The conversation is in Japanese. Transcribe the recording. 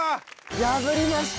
破りました！